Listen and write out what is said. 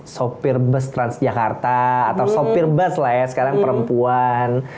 sopir bus transjakarta atau sopir bus lah ya sekarang perempuan